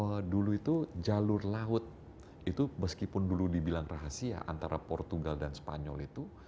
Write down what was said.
karena dulu itu jalur laut itu meskipun dulu dibilang rahasia antara portugal dan spanyol itu